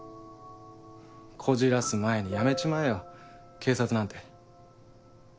こじらす前に辞めちまえよ警察なんて。